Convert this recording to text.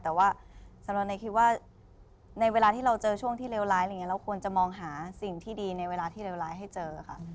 แต่ว่าสำหรับในคิดว่าในเวลาที่เราเจอช่วงที่เลวร้ายอะไรอย่างนี้เราควรจะมองหาสิ่งที่ดีในเวลาที่เลวร้ายให้เจอค่ะ